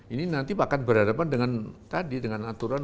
ini nanti akan berhadapan dengan tadi dengan aturan